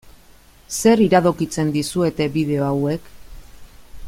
Zer iradokitzen dizuete bideo hauek?